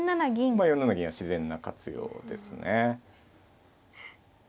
まあ４七銀は自然な活用ですね。